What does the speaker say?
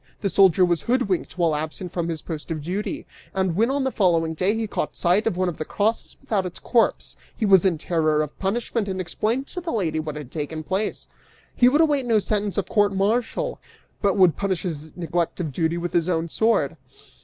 The soldier was hoodwinked while absent from his post of duty, and when on the following day he caught sight of one of the crosses without its corpse, he was in terror of punishment and explained to the lady what had taken place: He would await no sentence of court martial, but would punish his neglect of duty with his own sword!